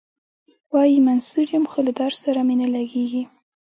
وايي منصور یم خو له دار سره مي نه لګیږي.